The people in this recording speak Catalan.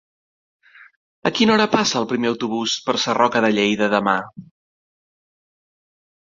A quina hora passa el primer autobús per Sarroca de Lleida demà?